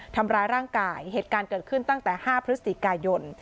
ทำร้ายร่างกายเหตุการณ์เกิดขึ้นตั้งแต่๕พฤศจิกายน